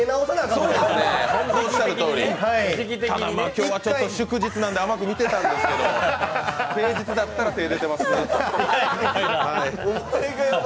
ただ、今日は祝日なんで甘く見てたんですけど、平日だったら手入れてます。